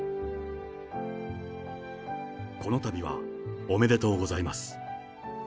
このたびはおめでとうございます。